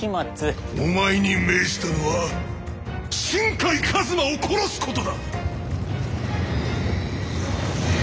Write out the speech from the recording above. お前に命じたのは新海一馬を殺すことだ！